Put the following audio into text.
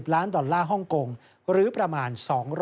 ๕๐ล้านดอลลาร์หรือประมาณ